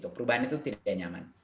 perubahan itu tidak nyaman